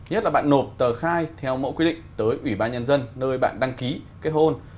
nhất là bạn nộp tờ khai theo mẫu quy định tới ủy ban nhân dân nơi bạn đăng ký kết hôn